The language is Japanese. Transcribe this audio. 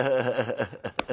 ハハハ。